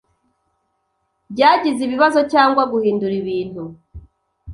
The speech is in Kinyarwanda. byagize ibibazo cyangwa guhindura ibintu